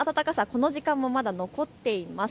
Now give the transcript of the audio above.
この時間もまだ残っています。